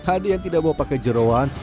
ada yang tidak mau pakai jerawan